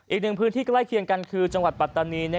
อีกหนึ่งพื้นที่ใกล้เคียงกันคือจังหวัดปัตตานี